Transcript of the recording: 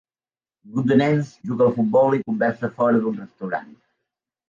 Un grup de nens juga al futbol i conversa fora d'un restaurant.